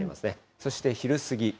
そして昼過ぎ。